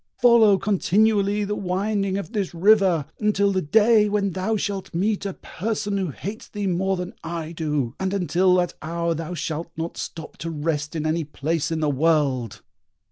Follow continually the winding of this river, until the day when thou shalt meet a person who hates thee more than I do, and until that hour thou shalt not stop to rest in any place in the world!"